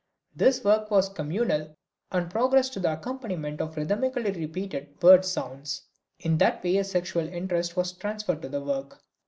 This work was communal and progressed to the accompaniment of rhythmically repeated word sounds. In that way a sexual interest was transferred to the work.